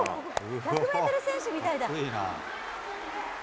１００メートル選手みたいだ。